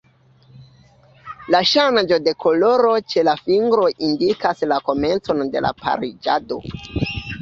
La ŝanĝo de koloro ĉe la fingroj indikas la komencon de la pariĝado.